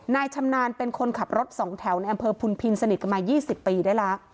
ชำนาญเป็นคนขับรถสองแถวในอำเภอพุนพินสนิทกันมา๒๐ปีได้แล้ว